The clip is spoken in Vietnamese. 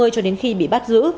cho đến khi bị bắt giữ